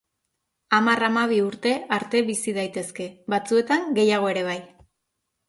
Hamar-hamabi urte arte bizi daitezke, batzuetan gehiago ere bai.